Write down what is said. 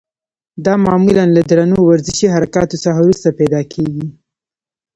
دا معمولا له درنو ورزشي حرکاتو څخه وروسته پیدا کېږي.